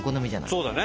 そうだね。